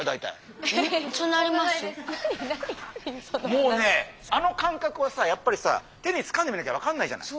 もうねあの感覚はさやっぱりさ手につかんでみなきゃ分かんないじゃない。